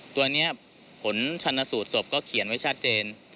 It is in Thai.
ตัวนี้ผลชนสูตรศพก็เขียนไว้ชัดเจน